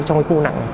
trong cái khu nặng